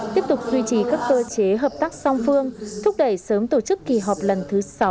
tiếp tục duy trì các cơ chế hợp tác song phương thúc đẩy sớm tổ chức kỳ họp lần thứ sáu